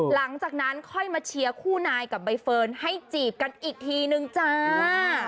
หลังจากนั้นค่อยมาเชียร์คู่นายกับใบเฟิร์นให้จีบกันอีกทีนึงจ้า